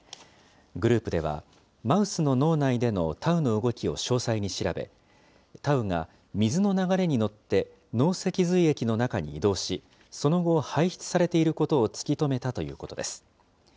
グループでは、マウスの脳内でのタウの動きを詳細に調べ、タウが水の流れに乗って脳脊髄液の中に移動し、その後、排出されていることを突き止めたということです。